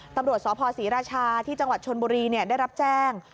ตำรวจสพศรีราชาที่จังหวัดชนบุรีได้รับแจ้ง